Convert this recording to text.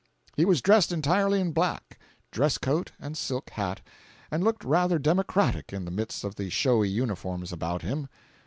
He was dressed entirely in black—dress coat and silk hat—and looked rather democratic in the midst of the showy uniforms about him.